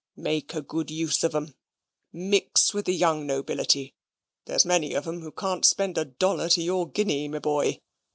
Make a good use of 'em. Mix with the young nobility. There's many of 'em who can't spend a dollar to your guinea, my boy.